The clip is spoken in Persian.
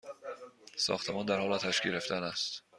ساختمان در حال آتش گرفتن است!